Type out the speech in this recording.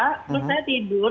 terus saya tidur